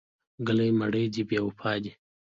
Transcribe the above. ګلې مړې دې بې وفا دي.